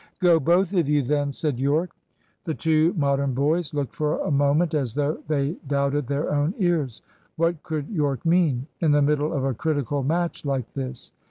"Go, both of you, then," said Yorke. The two Modern boys looked for a moment as though they doubted their own ears. What could Yorke mean, in the middle of a critical match like this?